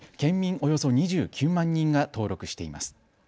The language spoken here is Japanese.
およそ２９万人が登録しています。